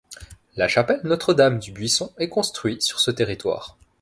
La chapelle Notre-Dame-du-Buisson est construit sur ce territoire.